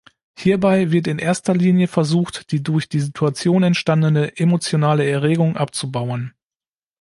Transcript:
Hierbei wird in erster Linie versucht, die durch die Situation entstandene emotionale Erregung abzubauen.